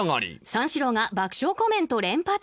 「三四郎が爆笑コメント連発！」